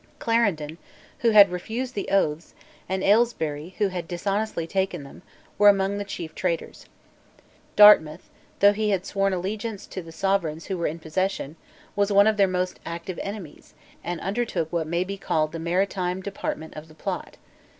Clarendon, who had refused the oaths, and, Aylesbury, who had dishonestly taken them, were among the chief traitors. Dartmouth, though he had sworn allegiance to the sovereigns who were in possession, was one of their most active enemies, and undertook what may be called the maritime department of the plot.